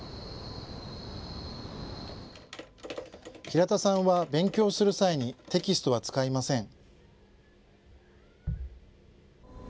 平田さんは勉強する際にテキストは使いません。